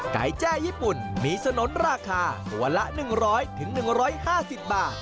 แจ้ญี่ปุ่นมีสนุนราคาตัวละ๑๐๐๑๕๐บาท